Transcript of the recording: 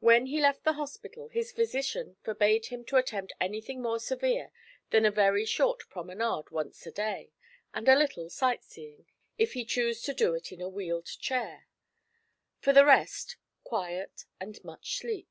When he left the hospital his physician forbade him to attempt anything more severe than a very short promenade once a day, and a little sight seeing, if he choose to do it in a wheeled chair; for the rest, quiet and much sleep.